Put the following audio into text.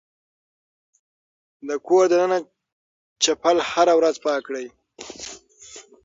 د کور دننه چپل هره ورځ پاک کړئ.